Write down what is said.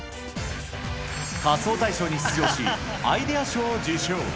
仮装大賞に出場し、アイデア賞を受賞。